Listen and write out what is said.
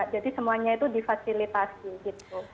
jadi semuanya itu difasilitasi gitu